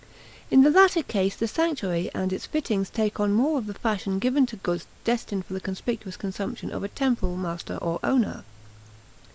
In the latter case the sanctuary and its fittings take on more of the fashion given to goods destined for the conspicuous consumption of a temporal master or owner.